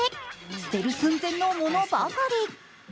捨てる寸前のものばかり。